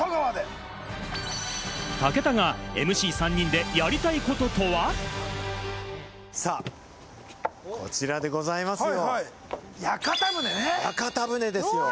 武田がＭＣ３人でやりたいここちらでございますよ。